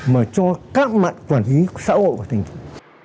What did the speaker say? mà cho các bạn quản lý xã hội của thành phố